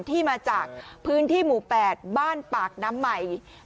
ที่มาจากพื้นที่หมู่๘บ้านปากน้ำใหม่